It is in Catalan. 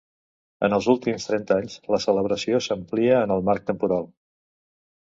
En els últims trenta anys, la celebració s'amplia en el marc temporal.